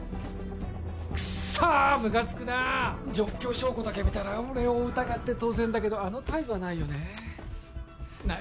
クッソーむかつくな状況証拠だけ見たら俺を疑って当然だけどあの態度はないよねなあ